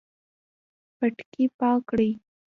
پټکی پاک کړئ